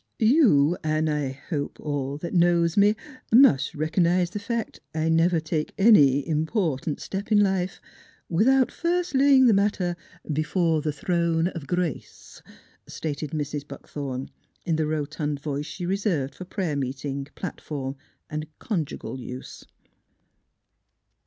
" You an' I hope all that knows me mus' recognize th' fact I never take any im portant step in life, without first layin' th' matter b'fore th' throne of Grace," stated Mrs. Buckthorn, in the rotund voice she reserved for prayer meeting, platform, and conjugal use.